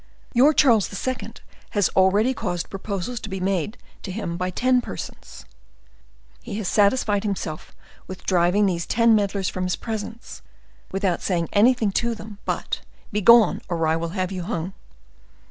Your Charles II. has already caused proposals to be made to him by ten persons; he has satisfied himself with driving these ten meddlers from his presence, without saying anything to them but, 'Begone, or I will have you hung.